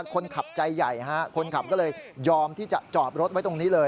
คนขับใจใหญ่ฮะคนขับก็เลยยอมที่จะจอดรถไว้ตรงนี้เลย